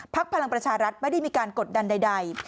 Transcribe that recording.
พลังประชารัฐไม่ได้มีการกดดันใด